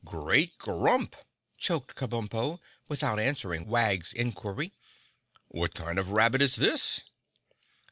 "Great Grump!" choked Kabumpo, without answering Wag's inquiry. "What kind of a rabbit is this?"